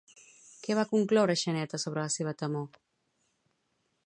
Què va concloure Xaneta sobre la seva temor?